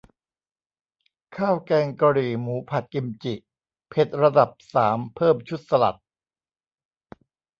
ข้าวแกงกะหรี่หมูผัดกิมจิ เผ็ดระดับสาม เพิ่มชุดสลัด